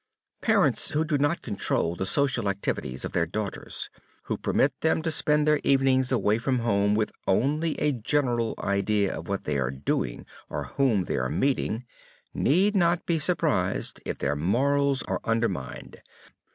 Parents who do not control the social activities of their daughters, who permit them to spend their evenings away from home with only a general idea of what they are doing or whom they are meeting, need not be surprised if their morals are undermined.